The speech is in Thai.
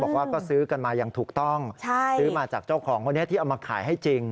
บอกว่าก็ซื้อกันมาอย่างถูกต้องซื้อมาจากเจ้าของคนนี้ที่เอามาขายให้จริง